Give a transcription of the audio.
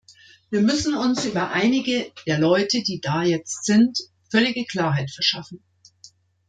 Wir müssen uns über einige der Leute, die da jetzt sind, völlige Klarheit verschaffen.